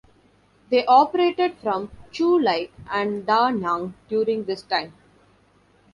They operated from Chu Lai and Da Nang during this time.